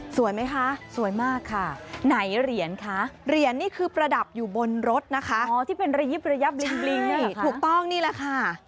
สวยไหมคะสวยมากค่ะไหนเหรียญคะเหรียญนี่คือประดับอยู่บนรถนะคะอ๋อที่เป็นระยิบระยับลิงนี่ถูกต้องนี่แหละค่ะ